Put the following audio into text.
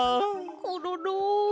コロロ。